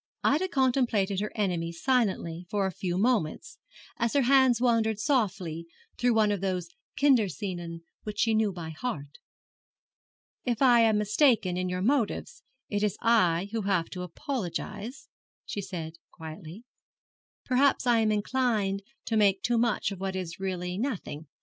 Ida contemplated her enemy silently for a few moments, as her hands wandered softly through one of those Kinder scenen which she knew by heart. 'If I am mistaken in your motives it is I who have to apologize,' she said, quietly. 'Perhaps I am inclined to make too much of what is really nothing.